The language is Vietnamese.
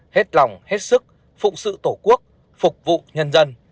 hết lòng hết sức phụng sự tổ quốc phục vụ nhân dân